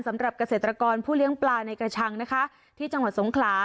สำหรับเกษตรกรผู้เลี้ยงปลาในกระชังนะคะที่จังหวัดสงขลา